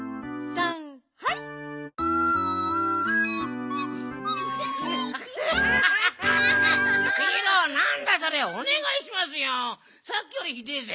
さっきよりひでえぜ。